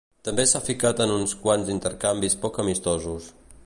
També s'ha ficat en uns quants intercanvis poc amistosos.